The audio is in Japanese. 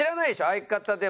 相方でも。